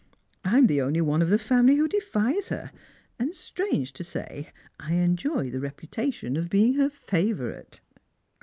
I am the only one of the family who defies her ; and, strange to say, I enjoy the reputation of being her favourite."